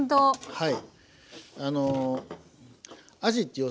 はい。